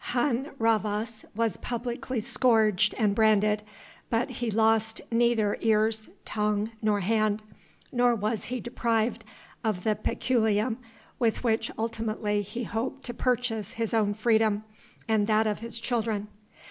Hun Rhavas was publicly scourged and branded, but he lost neither ears, tongue, nor hand, nor was he deprived of the peculium with which ultimately he hoped to purchase his own freedom and that of his children.